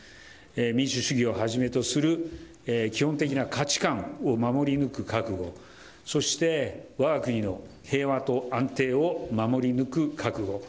民主主義をはじめとする、基本的な価値観を守り抜く覚悟、そして、わが国の平和と安定を守り抜く覚悟。